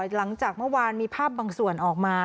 หลังจากเมื่อวานมีภาพบางส่วนออกมา